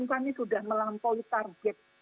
kami sudah melampaui target